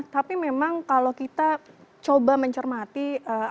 tapi memang kalau kita coba mencermati alasan alasan publik